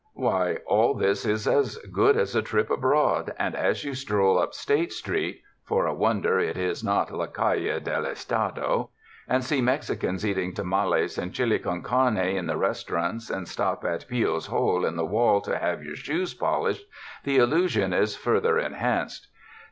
Why, all this is as good as a trip abroad ; and as you stroll up State Street (for a wonder it is. not La Calle del Estado) and see Mexicans eating tamales and chili con came in the restaurants, and stop at Pio's hole in the wall to have your shoes polished, the illusion is further enhanced.